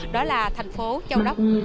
đó là thành phố châu đốc